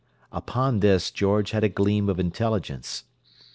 Upon this, George had a gleam of intelligence.